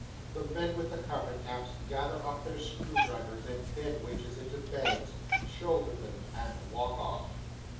The men with the carpet caps gather up their screw drivers and bed winches into bags, shoulder them, and walk off.